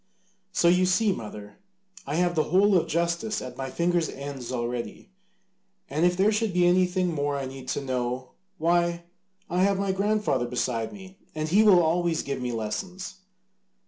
So you see, mother, I have the whole of justice at my fingers' ends already. And if there should be anything more I need to know, why, I have my grandfather beside me, and he will always give me lessons."